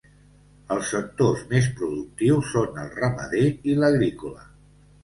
Els sectors més productius són el ramader i l'agrícola.